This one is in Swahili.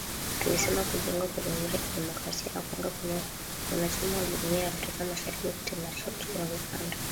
Alisema kujiunga kwa Jamuhuri ya Kidemokrasia ya Kongo kama mwanachama wa Jumuiya ya Afrika Mashariki kutaimarisha uchumi wa kikanda